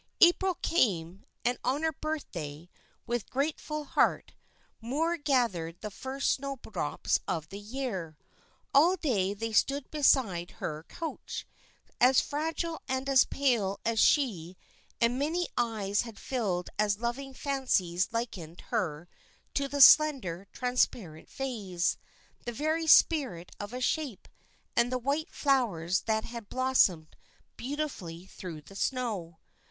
April came; and on her birthday, with a grateful heart, Moor gathered the first snow drops of the year. All day they stood beside her couch, as fragile and as pale as she, and many eyes had filled as loving fancies likened her to the slender, transparent vase, the very spirit of a shape, and the white flowers that had blossomed beautifully through the snow.